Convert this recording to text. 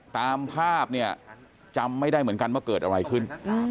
ตามภาพเนี่ยจำไม่ได้เหมือนกันว่าเกิดอะไรขึ้น